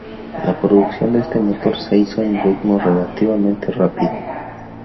La producción de este motor se hizo en un ritmo relativamente rápido.